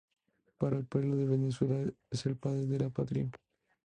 Para el pueblo de Venezuela es el padre de la patria.